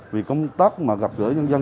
vì công tác mà gặp gỡ nhân dân